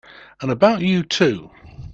And about you too!